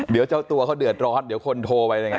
เดี๋ยวเจ้าตัวเขาเดือดร้อนเดี๋ยวคนโทรไปอะไรอย่างนี้